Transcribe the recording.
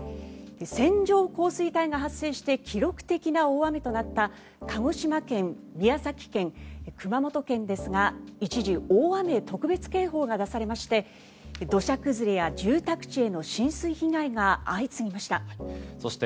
線状降水帯が発生して記録的な大雨となった鹿児島県、宮崎県、熊本県ですが一時、大雨特別警報が出されまして土砂崩れや住宅地への浸水被害が相次ぎました。